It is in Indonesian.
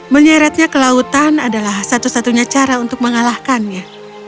menyeretnya ke lautan adalah satu satunya cara untuk mengalahkannya